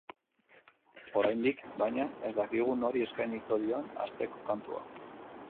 Oraindik, baina, ez dakigu nori eskainiko dion asteko kantua.